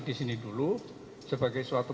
disini dulu sebagai suatu